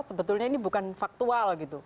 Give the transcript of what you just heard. sebetulnya ini bukan faktual gitu